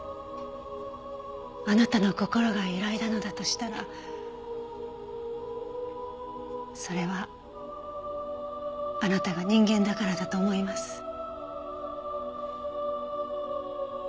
あなたの心が揺らいだのだとしたらそれはあなたが人間だからだと思います。